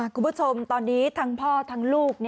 คุณผู้ชมตอนนี้ทั้งพ่อทั้งลูก